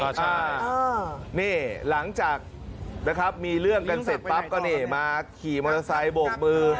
ก็ใช่หลังจากมีเรื่องกันเสร็จป๊าปก็เนมาขี่มอเตอร์ไซต์บวกมือ